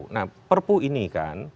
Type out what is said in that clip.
nah perpu ini kan